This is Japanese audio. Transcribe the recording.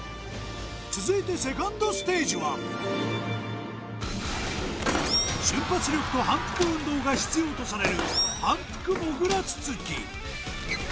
続いてセカンドステージは瞬発力と反復運動が必要とされる反復もぐらつつき